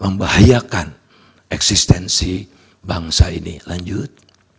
membahayakan eksistensi bangsa ini lanjut